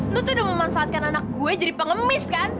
lu tuh udah memanfaatkan anak gue jadi pengemis kan